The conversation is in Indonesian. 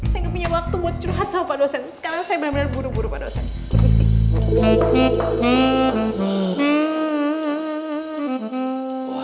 saya gak punya waktu mau curhat sama pak dosen